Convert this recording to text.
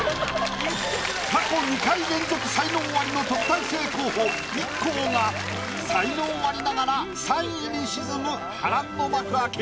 過去２回連続才能アリの特待生候補ＩＫＫＯが才能アリながら３位に沈む波乱の幕開け。